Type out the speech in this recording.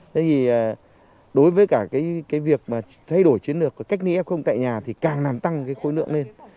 thế thì đối với cả cái việc mà thay đổi chiến lược cách ly f tại nhà thì càng làm tăng cái khối lượng lên